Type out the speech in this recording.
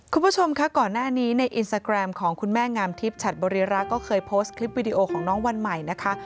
คุณผู้ชมคะก่อนหน้านี้ในอินสตาแกรมของคุณแม่งามทิพย์ฉัดบริรักษ์ก็เคยโพสต์คลิปวิดีโอของน้องวันใหม่นะคะ